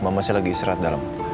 mama saya lagi serat dalam